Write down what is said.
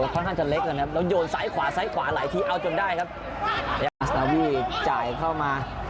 เป็นใหญ่เลยครับเอฯกี้เอฯกี้ตัดได้ก่อน